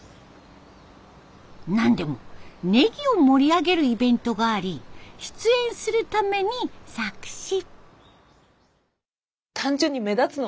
なんでもネギを盛り上げるイベントがあり出演するために作詞。